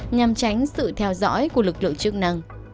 nhằm tránh sự theo dõi của lực lượng chức năng